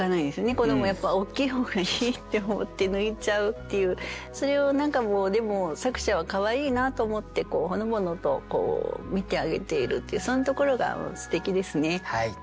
子どもはやっぱ大きい方がいいって思って抜いちゃうっていうそれを何かもうでも作者はかわいいなと思ってほのぼのと見てあげているっていうそんなところがすてきですね。